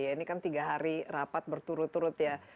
ini kan tiga hari rapat berturut turut ya